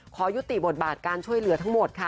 ขอยุติบทบาทการช่วยเหลือทั้งหมดค่ะ